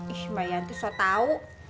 ih mbak yanti soal tahu